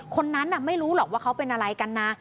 คนนั้นไม่รู้หรอกว่าเขาเป็นอะไรกันนะ